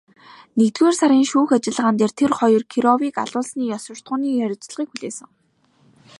Нэгдүгээр сарын шүүх ажиллагаан дээр тэр хоёр Кировыг алуулсны ёс суртахууны хариуцлагыг хүлээсэн.